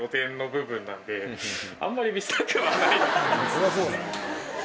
そりゃそうだ。